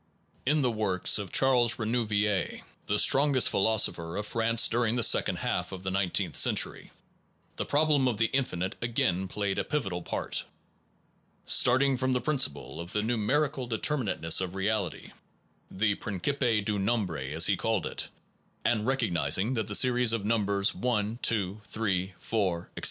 In the works of Charles Renouvier, the strongest philosopher of France during the second half of the nineteenth century, the problem of the infinite again played a pivotal part. Starting from the principle of the nu~ 163 SOME PROBLEMS OF PHILOSOPHY 4 merical determinateness of reality (supra, page 160) the principe du nombre, 9 as he called it and recognizing that the series of num bers 1, 2, 3, 4, ... etc.